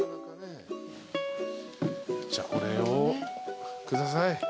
じゃあこれを下さい。